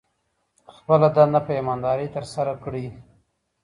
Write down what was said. خپله دنده په ایماندارۍ ترسره کړئ.